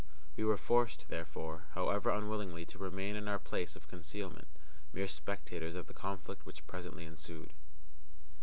We were forced, therefore, however unwillingly, to remain in our place of concealment, mere spectators of the conflict which presently ensued.